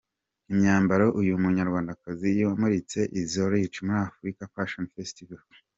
Imyambaro uyu munyarwandakazi yamuritse i Zurich muri 'African Fashion Festival'.